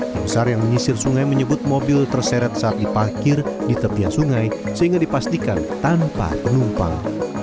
tim sar yang menyisir sungai menyebut mobil terseret saat diparkir di tepian sungai sehingga dipastikan tanpa penumpang